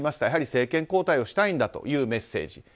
やはり政権交代をしたいんだというメッセージ。